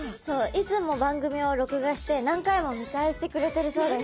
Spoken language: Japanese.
いつも番組を録画して何回も見返してくれてるそうです。